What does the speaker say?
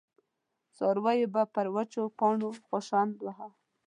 څارويو به پر وچو پاڼو شخوند واهه.